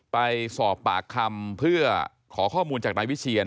ไปสอบปากคำเพื่อขอข้อมูลจากนายวิเชียน